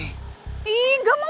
ih enggak mau